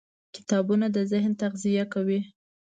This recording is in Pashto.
کتابونه د ذهن تغذیه کوي.